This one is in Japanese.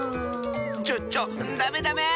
ちょちょダメダメー！